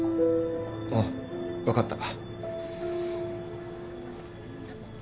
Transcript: ああ分かった。